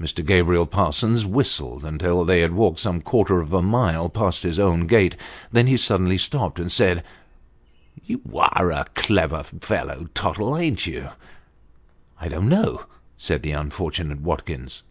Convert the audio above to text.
Mr. Gabriel Parsons whistled until they had walked some quarter of a mile past his own gate, when he suddenly stopped, and said " You are a clever fellow, Tottle, ain't you ?"" I don't know," said the unfortunate Watkins.